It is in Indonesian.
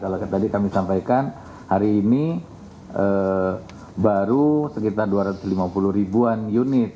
kalau tadi kami sampaikan hari ini baru sekitar dua ratus lima puluh ribuan unit